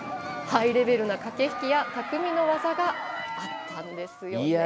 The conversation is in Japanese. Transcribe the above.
ハイレベルな駆け引きや匠の技があったんですよね。